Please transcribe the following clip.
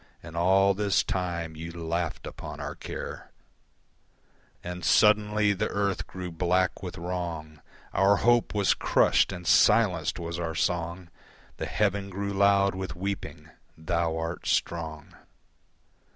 And all this time you laughed upon our care, And suddenly the earth grew black with wrong, Our hope was crushed and silenced was our song, The heaven grew loud with weeping. Thou art strong.